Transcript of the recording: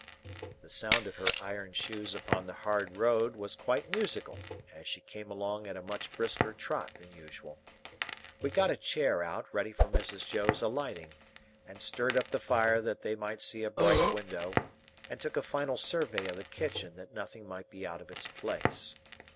The sound of her iron shoes upon the hard road was quite musical, as she came along at a much brisker trot than usual. We got a chair out, ready for Mrs. Joe's alighting, and stirred up the fire that they might see a bright window, and took a final survey of the kitchen that nothing might be out of its place.